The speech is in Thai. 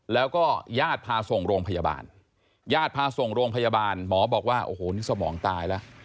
แล้วก็ญาติพาส่งโรงพยาบาลหมอบอกว่านี่สมองตายละ